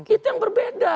itu yang berbeda